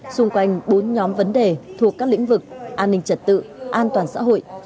xung quanh bốn nhóm vấn đề thuộc các lĩnh vực an ninh trật tự an toàn xã hội